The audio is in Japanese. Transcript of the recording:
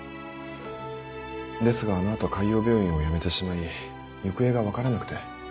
ですがあの後海王病院を辞めてしまい行方が分からなくて。